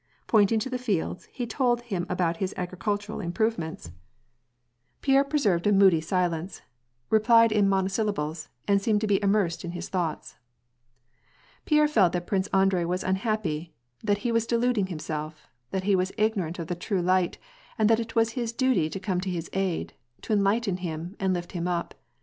Pointing to the fields, he told him about his agricultural im provements. 116 wah and pbacb. Pierre preserved a moody silence, replied in monosyllables, and seemed to be immersed in his thoughts. Pierre felt that Prince Andrei was unhappy, that he was de luding himself, that he was ignorant of the true light, and that it was his duty to come to his aid, to enlighten hiui, and lift him up.